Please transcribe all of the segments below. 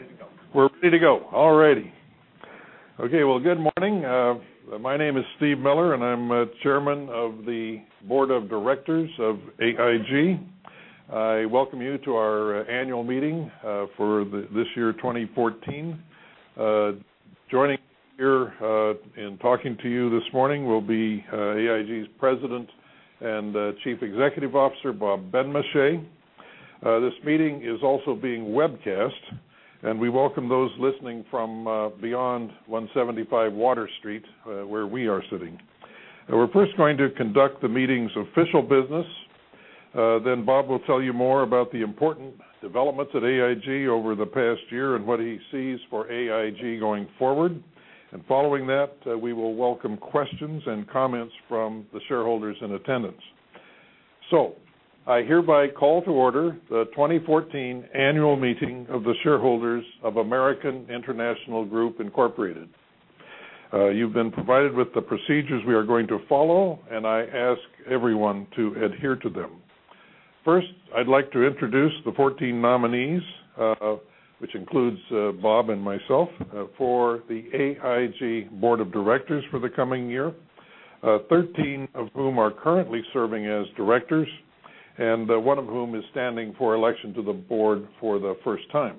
Okay, we're ready to go. We're ready to go. All righty. Okay. Well, good morning. My name is Steve Miller, and I'm Chairman of the Board of Directors of AIG. I welcome you to our annual meeting for this year 2014. Joining here and talking to you this morning will be AIG's President and Chief Executive Officer, Bob Benmosche. This meeting is also being webcast, and we welcome those listening from beyond 175 Water Street, where we are sitting. We're first going to conduct the meeting's official business. Bob will tell you more about the important developments at AIG over the past year and what he sees for AIG going forward. Following that, we will welcome questions and comments from the shareholders in attendance. I hereby call to order the 2014 annual meeting of the shareholders of American International Group, Incorporated. You've been provided with the procedures we are going to follow, and I ask everyone to adhere to them. First, I'd like to introduce the 14 nominees, which includes Bob and myself, for the AIG Board of Directors for the coming year. 13 of whom are currently serving as directors, and one of whom is standing for election to the board for the first time.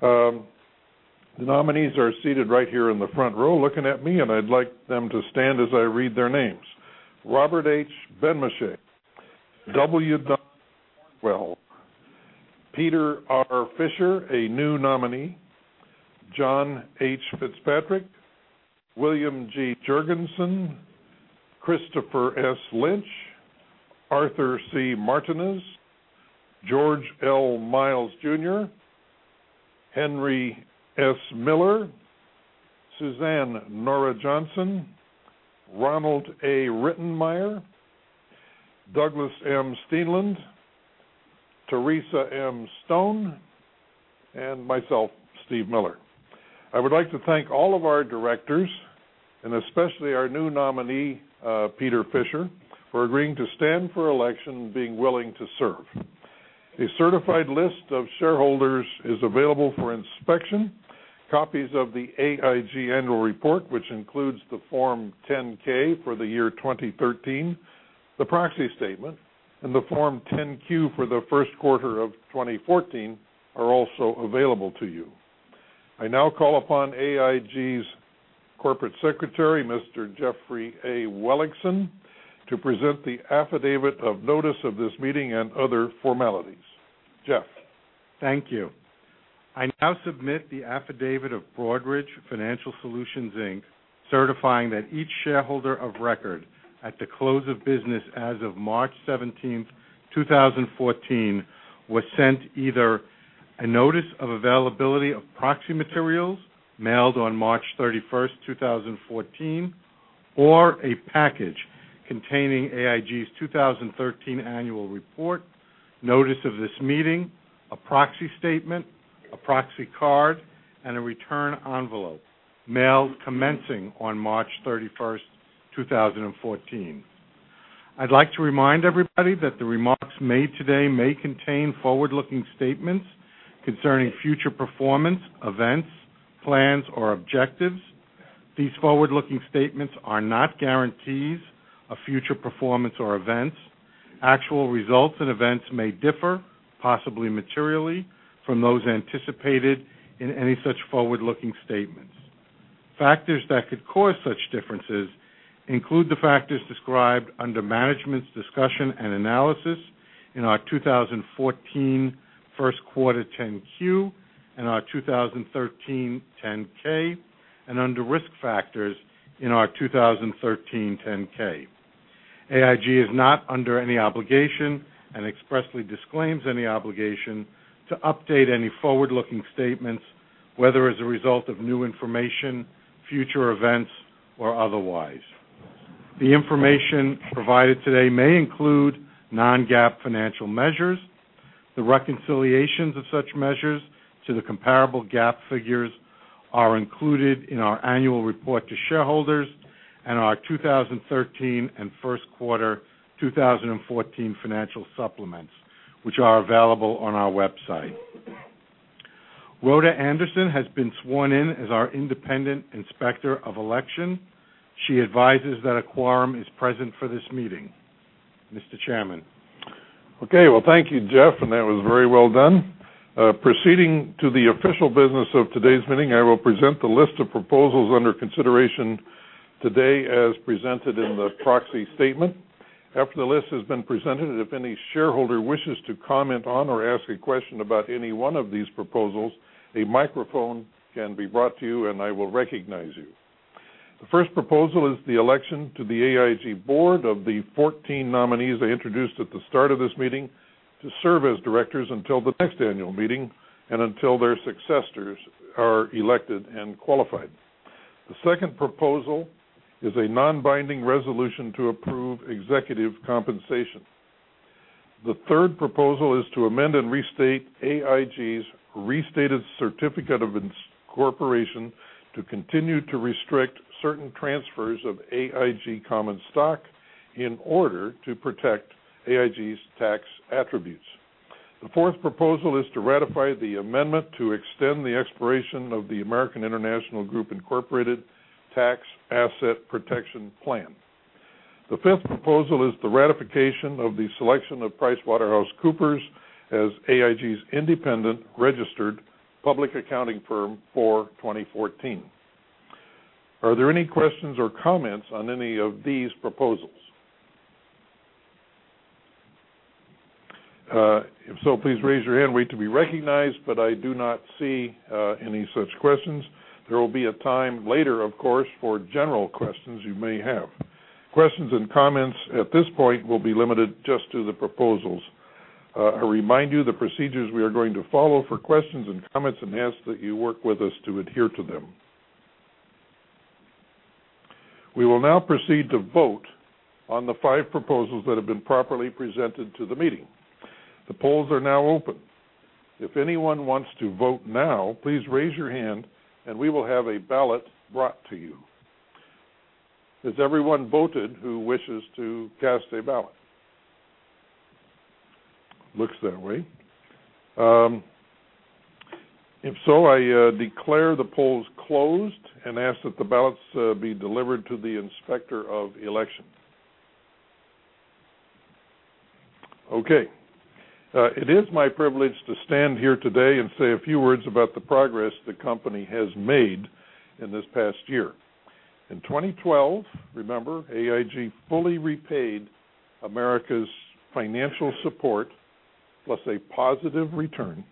The nominees are seated right here in the front row looking at me, and I'd like them to stand as I read their names. Robert H. Benmosche, W. Don Cornwell, Peter R. Fisher, a new nominee, John H. Fitzpatrick, William G. Jurgensen, Christopher S. Lynch, Arthur C. Martinez, George L. Miles Jr., Henry S. Miller, Suzanne Nora Johnson, Ronald A. Rittenmeyer, Douglas M. Steenland, Theresa M. Stone, and myself, Steve Miller. I would like to thank all of our directors, and especially our new nominee, Peter Fisher, for agreeing to stand for election and being willing to serve. A certified list of shareholders is available for inspection. Copies of the AIG annual report, which includes the Form 10-K for the year 2013, the proxy statement, and the Form 10-Q for the first quarter of 2014 are also available to you. I now call upon AIG's Corporate Secretary, Mr. Jeffrey A. Wellingham, to present the affidavit of notice of this meeting and other formalities. Jeff? Thank you. I now submit the affidavit of Broadridge Financial Solutions, Inc., certifying that each shareholder of record at the close of business as of March 17th, 2014, was sent either a notice of availability of proxy materials mailed on March 31st, 2014, or a package containing AIG's 2013 annual report, notice of this meeting, a proxy statement, a proxy card, and a return envelope mailed commencing on March 31st, 2014. I'd like to remind everybody that the remarks made today may contain forward-looking statements concerning future performance, events, plans, or objectives. These forward-looking statements are not guarantees of future performance or events. Actual results and events may differ, possibly materially, from those anticipated in any such forward-looking statements. Factors that could cause such differences include the factors described under Management's Discussion and Analysis in our 2014 first quarter 10-Q and our 2013 10-K and under Risk Factors in our 2013 10-K. AIG is not under any obligation and expressly disclaims any obligation to update any forward-looking statements, whether as a result of new information, future events, or otherwise. The information provided today may include non-GAAP financial measures. The reconciliations of such measures to the comparable GAAP figures are included in our annual report to shareholders and our 2013 and first quarter 2014 financial supplements, which are available on our website. Rhoda Anderson has been sworn in as our independent inspector of election. She advises that a quorum is present for this meeting, Mr. Chairman. Okay. Well, thank you, Jeff, and that was very well done. Proceeding to the official business of today's meeting, I will present the list of proposals under consideration today as presented in the proxy statement. After the list has been presented, if any shareholder wishes to comment on or ask a question about any one of these proposals, a microphone can be brought to you, and I will recognize you. The first proposal is the election to the AIG board of the 14 nominees I introduced at the start of this meeting to serve as directors until the next annual meeting and until their successors are elected and qualified. The second proposal is a non-binding resolution to approve executive compensation. The third proposal is to amend and restate AIG's restated certificate of its corporation to continue to restrict certain transfers of AIG common stock In order to protect AIG's tax attributes. The fourth proposal is to ratify the amendment to extend the expiration of the American International Group, Inc. Tax Asset Protection Plan. The fifth proposal is the ratification of the selection of PricewaterhouseCoopers as AIG's independent registered public accounting firm for 2014. Are there any questions or comments on any of these proposals? If so, please raise your hand, wait to be recognized. I do not see any such questions. There will be a time later, of course, for general questions you may have. Questions and comments at this point will be limited just to the proposals. I remind you the procedures we are going to follow for questions and comments and ask that you work with us to adhere to them. We will now proceed to vote on the 5 proposals that have been properly presented to the meeting. The polls are now open. If anyone wants to vote now, please raise your hand and we will have a ballot brought to you. Has everyone voted who wishes to cast a ballot? Looks that way. If so, I declare the polls closed and ask that the ballots be delivered to the Inspector of Election. Okay. It is my privilege to stand here today and say a few words about the progress the company has made in this past year. In 2012, remember, AIG fully repaid America's financial support, plus a positive return,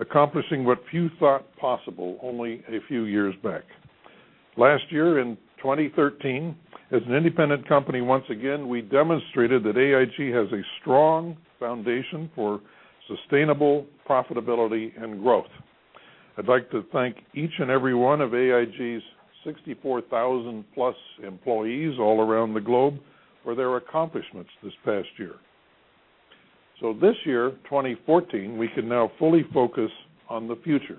accomplishing what few thought possible only a few years back. Last year, in 2013, as an independent company once again, we demonstrated that AIG has a strong foundation for sustainable profitability and growth. I'd like to thank each and every one of AIG's 64,000 plus employees all around the globe for their accomplishments this past year. This year, 2014, we can now fully focus on the future.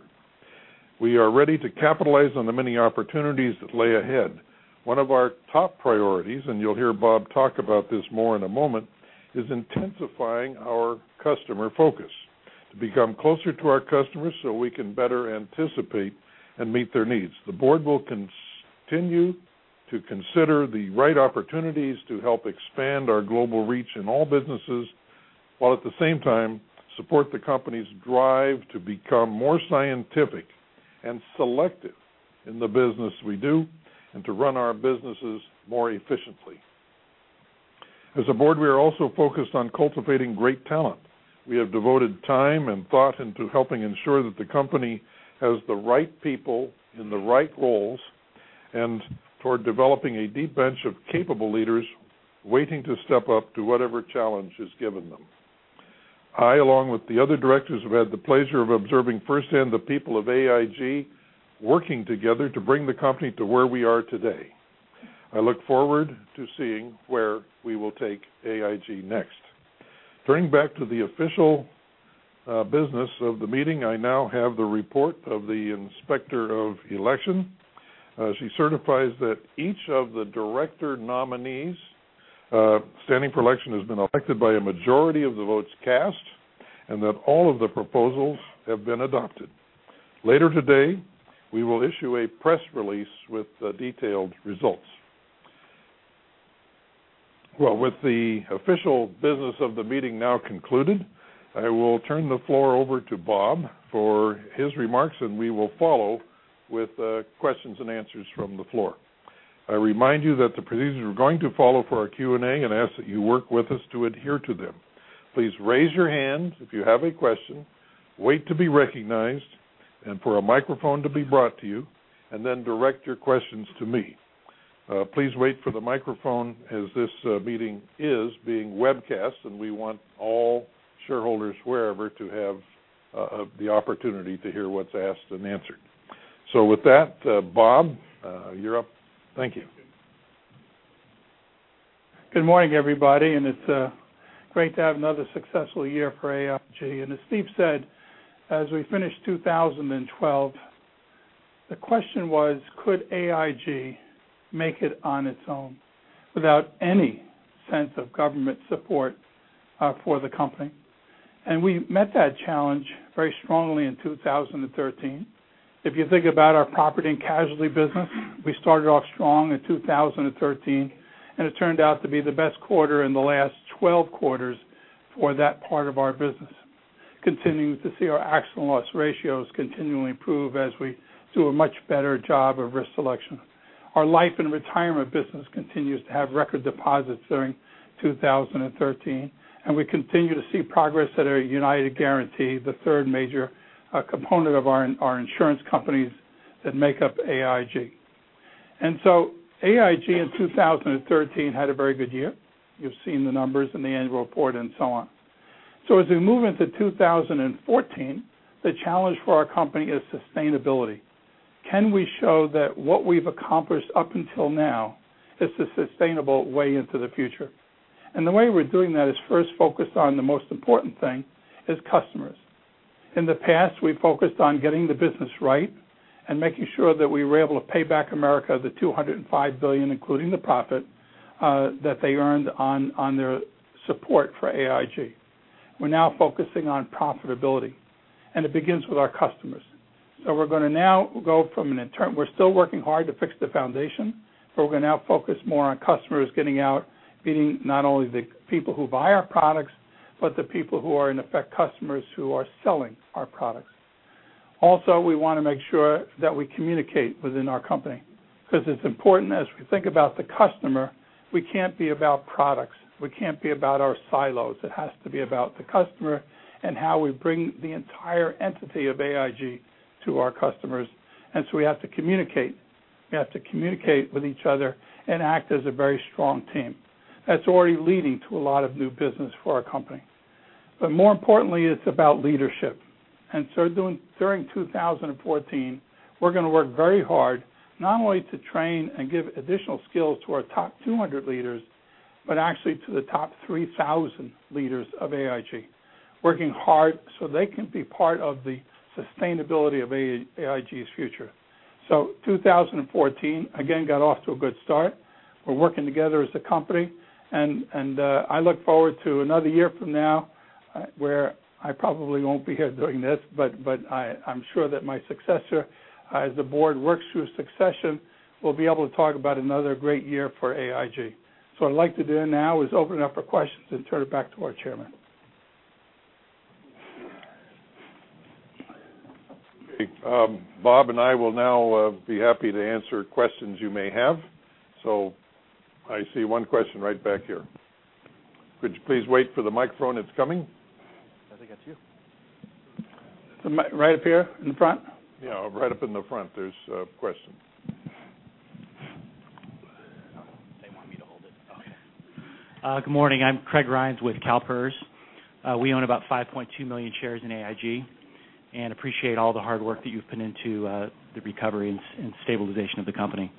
We are ready to capitalize on the many opportunities that lay ahead. One of our top priorities, and you'll hear Bob talk about this more in a moment, is intensifying our customer focus to become closer to our customers so we can better anticipate and meet their needs. The board will continue to consider the right opportunities to help expand our global reach in all businesses, while at the same time, support the company's drive to become more scientific and selective in the business we do and to run our businesses more efficiently. As a board, we are also focused on cultivating great talent. We have devoted time and thought into helping ensure that the company has the right people in the right roles and toward developing a deep bench of capable leaders waiting to step up to whatever challenge is given them. I, along with the other directors, have had the pleasure of observing firsthand the people of AIG working together to bring the company to where we are today. I look forward to seeing where we will take AIG next. Turning back to the official business of the meeting, I now have the report of the Inspector of Election. She certifies that each of the director nominees standing for election has been elected by a majority of the votes cast and that all of the proposals have been adopted. Later today, we will issue a press release with the detailed results. With the official business of the meeting now concluded, I will turn the floor over to Bob for his remarks, and we will follow with questions and answers from the floor. I remind you that the procedures we're going to follow for our Q&A and ask that you work with us to adhere to them. Please raise your hand if you have a question, wait to be recognized and for a microphone to be brought to you, and then direct your questions to me. Please wait for the microphone as this meeting is being webcast, and we want all shareholders wherever to have the opportunity to hear what's asked and answered. With that, Bob, you're up. Thank you. Good morning, everybody, it's great to have another successful year for AIG. As Steve said, as we finished 2012, the question was could AIG make it on its own without any sense of government support for the company? We met that challenge very strongly in 2013. If you think about our property and casualty business, we started off strong in 2013, it turned out to be the best quarter in the last 12 quarters for that part of our business. Continuing to see our actual loss ratios continually improve as we do a much better job of risk selection. Our life and retirement business continues to have record deposits during 2013, we continue to see progress at our United Guaranty, the third major component of our insurance companies that make up AIG. AIG in 2013 had a very good year. You've seen the numbers in the annual report and so on. As we move into 2014, the challenge for our company is sustainability. Can we show that what we've accomplished up until now is the sustainable way into the future? The way we're doing that is first focused on the most important thing, is customers. In the past, we focused on getting the business right and making sure that we were able to pay back America the $205 billion, including the profit, that they earned on their support for AIG. We're now focusing on profitability, it begins with our customers. We're going to now go from an internal. We're still working hard to fix the foundation, we're going to now focus more on customers getting out, meaning not only the people who buy our products, but the people who are, in effect, customers who are selling our products. Also, we want to make sure that we communicate within our company because it's important as we think about the customer, we can't be about products. We can't be about our silos. It has to be about the customer and how we bring the entire entity of AIG to our customers. We have to communicate. We have to communicate with each other and act as a very strong team. That's already leading to a lot of new business for our company. More importantly, it's about leadership. During 2014, we're going to work very hard not only to train and give additional skills to our top 200 leaders, but actually to the top 3,000 leaders of AIG. Working hard so they can be part of the sustainability of AIG's future. 2014, again, got off to a good start. We're working together as a company, and I look forward to another year from now where I probably won't be here doing this. I'm sure that my successor, as the board works through succession, will be able to talk about another great year for AIG. What I'd like to do now is open it up for questions and turn it back to our chairman. Okay. Bob and I will now be happy to answer questions you may have. I see one question right back here. Could you please wait for the microphone? It's coming. I think that's you. Right up here in the front? Yeah, right up in the front, there's a question. They want me to hold it. Okay. Good morning. I'm Craig Rhines with CalPERS. We own about 5.2 million shares in AIG and appreciate all the hard work that you've put into the recovery and stabilization of the company.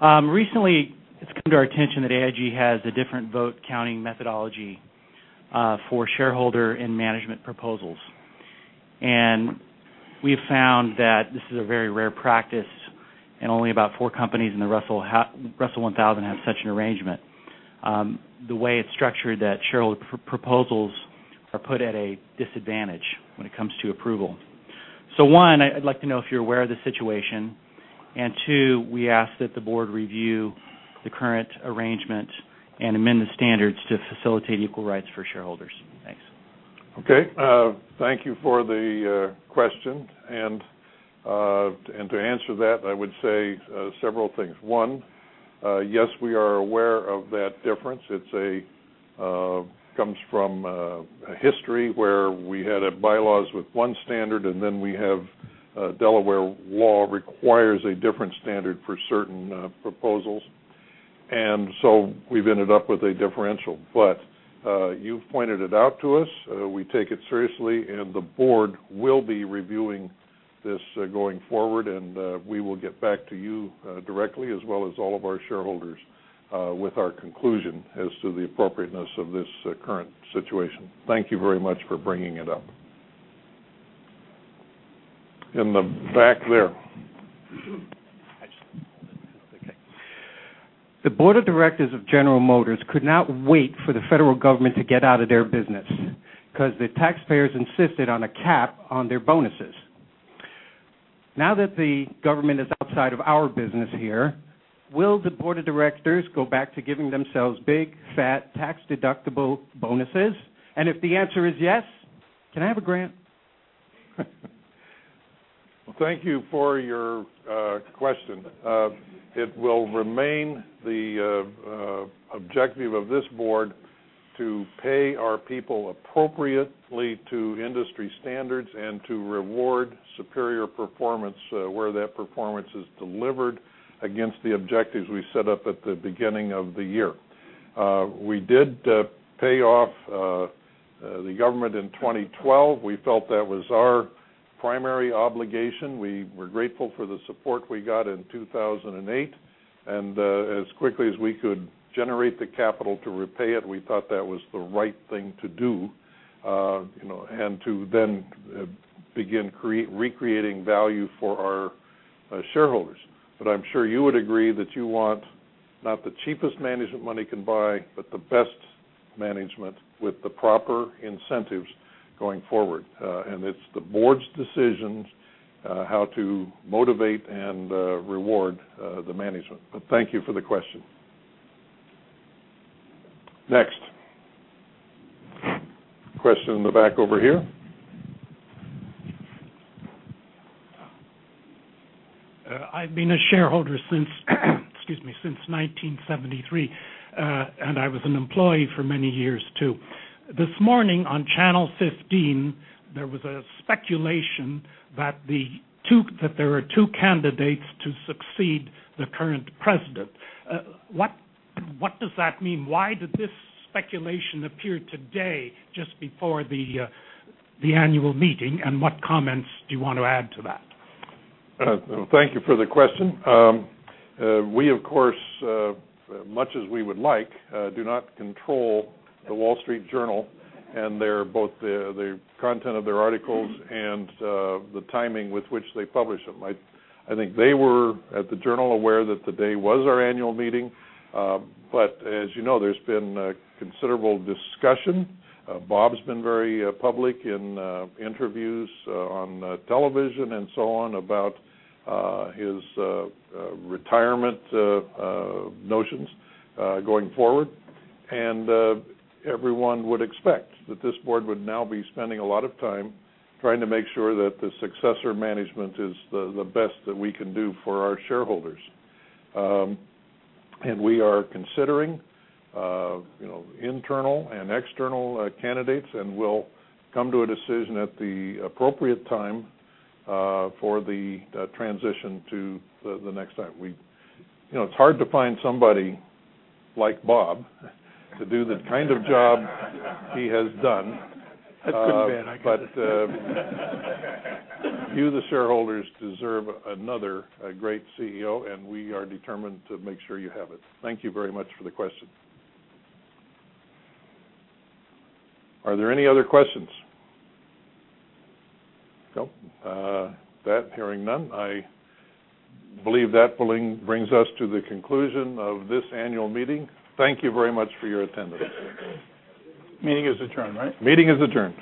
Recently, it's come to our attention that AIG has a different vote counting methodology for shareholder and management proposals. We have found that this is a very rare practice and only about four companies in the Russell 1000 have such an arrangement. The way it's structured, that shareholder proposals are put at a disadvantage when it comes to approval. One, I'd like to know if you're aware of the situation, two, we ask that the board review the current arrangement and amend the standards to facilitate equal rights for shareholders. Thanks. Okay. Thank you for the question. To answer that, I would say several things. One, yes, we are aware of that difference. It comes from a history where we had bylaws with one standard, then we have Delaware law requires a different standard for certain proposals. We've ended up with a differential. You've pointed it out to us. We take it seriously, the board will be reviewing this going forward, and we will get back to you directly, as well as all of our shareholders, with our conclusion as to the appropriateness of this current situation. Thank you very much for bringing it up. In the back there. I just want to hold it. Okay. The board of directors of General Motors could not wait for the federal government to get out of their business because the taxpayers insisted on a cap on their bonuses. If the answer is yes, can I have a grant? Thank you for your question. It will remain the objective of this board to pay our people appropriately to industry standards and to reward superior performance where that performance is delivered against the objectives we set up at the beginning of the year. We did pay off the government in 2012. We felt that was our primary obligation. We were grateful for the support we got in 2008, and as quickly as we could generate the capital to repay it, we thought that was the right thing to do and to then begin recreating value for our shareholders. I'm sure you would agree that you want not the cheapest management money can buy, but the best management with the proper incentives going forward. It is the board's decisions how to motivate and reward the management. Thank you for the question. Next. Question in the back over here. I have been a shareholder since 1973. I was an employee for many years, too. This morning on Channel 15, there was a speculation that there are two candidates to succeed the current president. What does that mean? Why did this speculation appear today just before the annual meeting? What comments do you want to add to that? Thank you for the question. We, of course, much as we would like, do not control The Wall Street Journal and both the content of their articles and the timing with which they publish them. I think they were at the Journal aware that today was our annual meeting. As you know, there has been considerable discussion. Bob has been very public in interviews on television and so on about his retirement notions going forward. Everyone would expect that this board would now be spending a lot of time trying to make sure that the successor management is the best that we can do for our shareholders. We are considering internal and external candidates, and we will come to a decision at the appropriate time for the transition to the next time. It is hard to find somebody like Bob to do the kind of job he has done. That's pretty bad. I got to say. You, the shareholders, deserve another great CEO, and we are determined to make sure you have it. Thank you very much for the question. Are there any other questions? No? That, hearing none, I believe that brings us to the conclusion of this annual meeting. Thank you very much for your attendance. Meeting is adjourned, right? Meeting is adjourned.